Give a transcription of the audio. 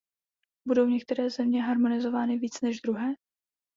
Budou některé země harmonizovány víc než druhé?